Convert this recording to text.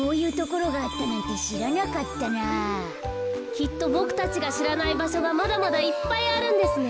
きっとボクたちがしらないばしょがまだまだいっぱいあるんですね。